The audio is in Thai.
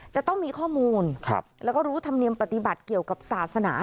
จะต้องมีข้อมูลแล้วก็รู้ธรรมเนียมปฏิบัติเกี่ยวกับศาสนา